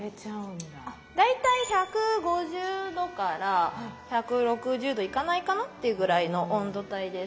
大体１５０１６０℃いかないかなっていうぐらいの温度帯です。